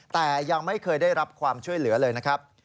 แต่ยังไม่เคยได้รับความช่วยเหลือเลยนะครับ